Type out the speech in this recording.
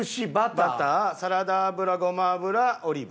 バターサラダ油ゴマ油オリーブ。